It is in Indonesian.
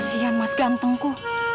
kesian mas gantengku